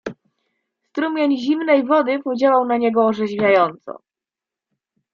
"Strumień zimnej wody podziałał na niego orzeźwiająco."